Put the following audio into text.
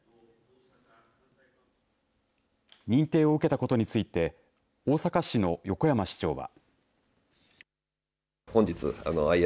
認定を受けたことについて大阪市の横山市長は。